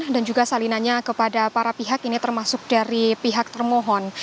dan juga salinannya kepada para pihak ini termasuk dari pihak termohon